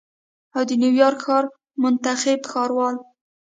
او د نیویارک ښار منتخب ښاروال